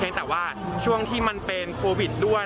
แต่ว่าช่วงที่มันเป็นโควิดด้วย